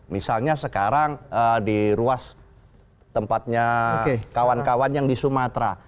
misalnya sekarang di ruas tempatnya kawan kawan yang di sumatera